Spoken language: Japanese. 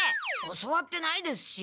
教わってないですし。